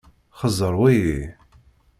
Xeẓẓeṛ wayi.